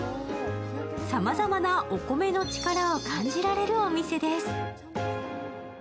さまざまなお米の力を感じられるお店です。